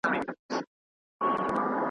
ستا هینداره ونیسم څوک خو به څه نه وايي .